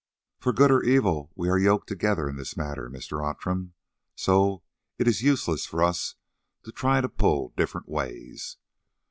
"For good or evil we are yoked together in this matter, Mr. Outram, so it is useless for us to try to pull different ways.